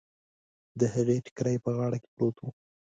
د هغې ټکری په غاړه کې پروت و.